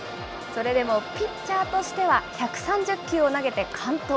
それでもピッチャーとしては１３０球を投げて完投。